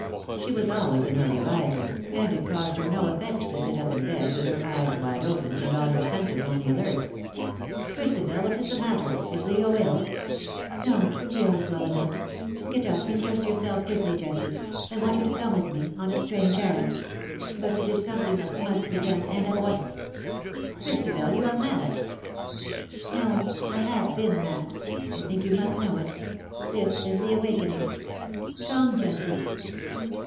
She was always an early riser, and it cost her no effect to sit up in bed, with her eyes wide open, and all her senses on the alert. '' Christabel, what is the matter ? Is Leo ill ?''" No, Leo is well enough. Get up and dress t2 276 ^'^SHE STOOD UP IN BITTER CASE, yourself quickly, Jessie. I want you to come with me — on a strange errand ; but it is something that must be done, and at once/^ " Christabel, you are mad/^ " No. I have been mad. I think you must know it — this is the awakening. Come, Jessie.''''